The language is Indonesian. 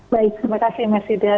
baik terima kasih mas yuda